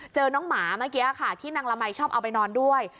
เจอน้องหมาเมื่อกี้ค่ะที่นางละมัยชอบเอาไปนอนด้วย